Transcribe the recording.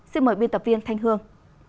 xin mời biên tập viên thanh hương